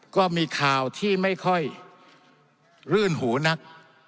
ก็มีข่าวที่ไม่ค่อยรื่นหูนัก